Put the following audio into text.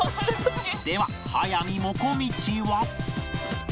では速水もこみちは